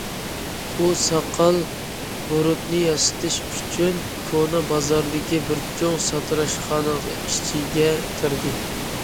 ئۇ ساقال- بۇرۇتىنى ياسىتىش ئۈچۈن كونا بازاردىكى بىر چوڭ ساتىراشخانا ئىچىگە كىردى.